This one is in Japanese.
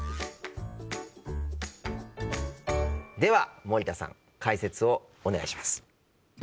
では森田さん解説をお願いします。